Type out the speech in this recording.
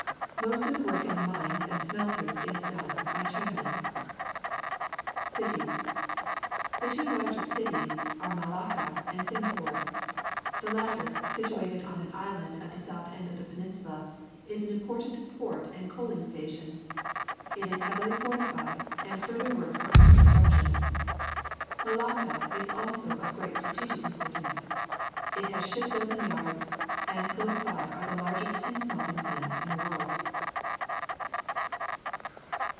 Most of the work in the tin mines and smeltere is done by Chinamen. Cities. — The two largest cities are Ma lacca and Singapore. The latter, situated on Hauling Rubber to the Wharves, Singapore an island at the south end of the peninsula, is an important port and coahng station. It is heavily fortified, and further works are under construction. Malacca also is of great strategic importance. It has ship building yards, and close by are the largest tin smelting plants in the world.